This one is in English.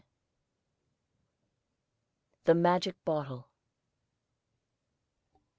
THE MAGIC BOTTLE.